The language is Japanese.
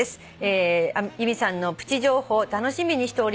「由美さんのプチ情報楽しみにしております」